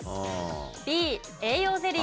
Ｂ、栄養ゼリー。